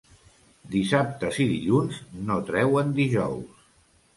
Dissabtes i dilluns no treuen dijous.